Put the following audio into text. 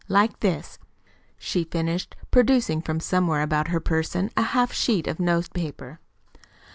Like this," she finished, producing from somewhere about her person a half sheet of note paper.